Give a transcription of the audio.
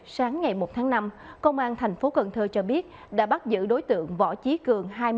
sáng ngày một tháng năm công an tp cn cho biết đã bắt giữ đối tượng võ chí cường